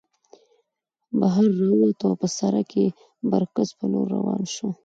بهر راووتو او پۀ سړک د برکڅ په لور روان شو